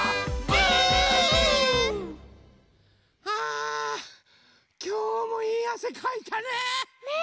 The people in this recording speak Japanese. あきょうもいいあせかいたね。